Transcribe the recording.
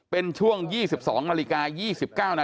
เป็นช่วง๒๒น๒๙น